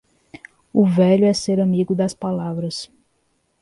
O velho é ser amigo das palavras.